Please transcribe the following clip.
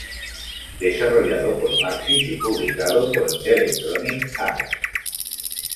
Desarrollado por Maxis y publicado por Electronic Arts.